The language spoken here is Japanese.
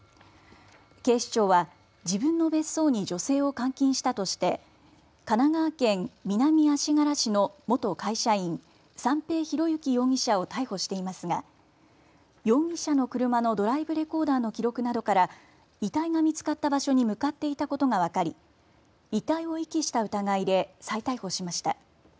警視庁は、自分の別荘に女性を監禁したとして神奈川県南足柄市の元会社員、三瓶博幸容疑者を逮捕していますが容疑者の車のドライブレコーダーの記録などから遺体が見つかった場所に向かっていたことが分かり遺体を遺棄した疑いで再逮捕しました。